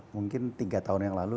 mungkin tiga tahun yang lalu